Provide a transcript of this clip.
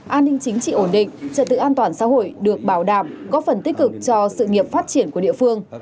an ninh chính trị ổn định trật tự an toàn xã hội được bảo đảm có phần tích cực cho sự nghiệp phát triển của địa phương